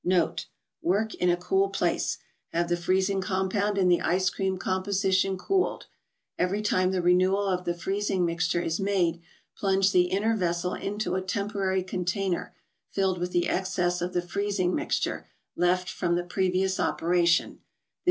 Note: work in a cool place ; have the freezing compound and the ice cream composition cooled; every time the renewal of the freezing mixture is made, plunge the inner vessel into a temporary container, filled with the excess of the freezing mixture, left from the previous operation.